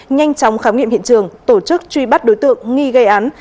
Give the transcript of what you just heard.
nhanh chóng khám nghiệm hiện trường tổ chức truy bắt đối tượng nghi gây án